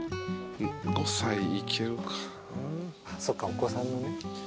そっかお子さんのね。